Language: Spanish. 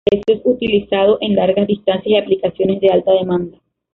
Por eso es utilizado en largas distancias y aplicaciones de alta demanda.